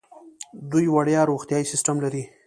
دوی وړیا روغتیايي سیستم لري.